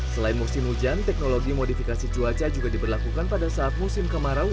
selain musim hujan teknologi modifikasi cuaca juga diberlakukan pada saat musim kemarau